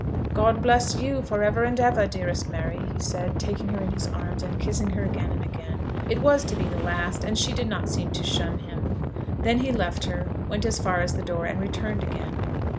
"God bless you, for ever and ever, dearest Mary," he said, taking her in his arms and kissing her again and again. It was to be the last, and she did not seem to shun him. Then he left her, went as far as the door, and returned again.